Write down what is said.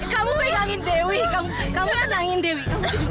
kamu pegangin dewi kamu pegangin dewi